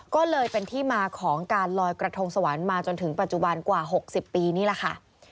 ก็เลยเป็นที่มาของการลอยกระทงสวรรค์มาจนถึงปัจจุบันกว่า๖๐ปีนี่แหละค่ะ